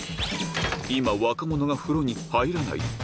今、若者が風呂に入らない？